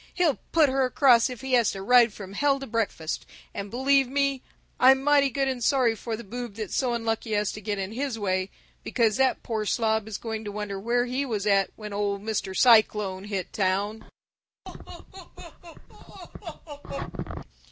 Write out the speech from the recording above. He'll put her across if he has to ride from hell to breakfast, and believe me, I'm mighty good and sorry for the boob that's so unlucky as to get in his way, because that poor slob is going to wonder where he was at when Old Mr. Cyclone hit town!